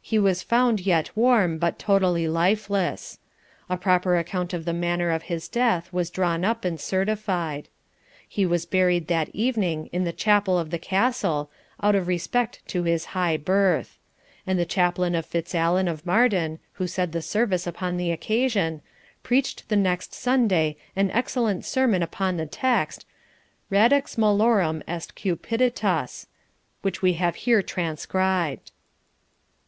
He was found yet warm, but totally lifeless. A proper account of the manner of his death was drawn up and certified. He was buried that evening in the chapel of the castle, out of respect to his high birth; and the chaplain of Fitzallen of Marden, who said the service upon the occasion, preached the next Sunday an excellent sermon upon the text, 'Radix malorum est cupiditas,' which we have here transcribed.